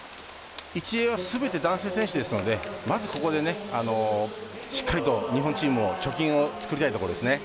１泳はすべて男性選手ですのでここで、しっかりと日本チームは貯金を作りたいところですね。